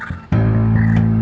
aku mau ke sana